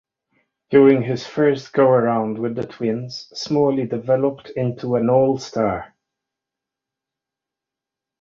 During his first go around with the Twins, Smalley developed into an all-star.